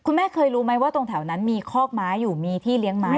แม่เคยรู้ไหมว่าตรงแถวนั้นมีคอกไม้อยู่มีที่เลี้ยงไม้